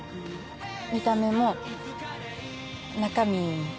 見た目も中身も。